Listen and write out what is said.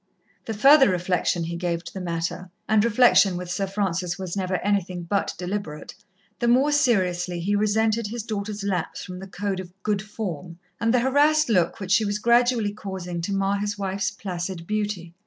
The further reflection he gave to the matter and reflection with Sir Francis was never anything but deliberate the more seriously he resented his daughter's lapse from the code of "good form," and the harassed look which she was gradually causing to mar his wife's placid beauty.